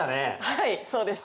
はいそうです。